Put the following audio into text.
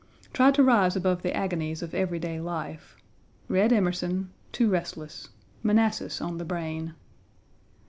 Tried to rise above the agonies of every day life. Read Emerson; too restless Manassas on the brain.